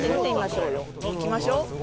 行きましょう。